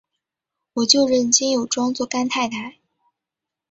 我就认金友庄做干太太！